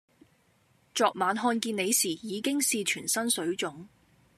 昨晚看見你時已經是全身水腫